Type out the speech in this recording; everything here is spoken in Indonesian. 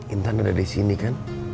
intan ada disini kan